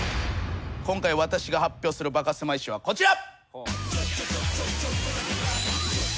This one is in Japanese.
今回私が発表するバカせまい史はこちら。